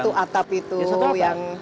satu atap itu yang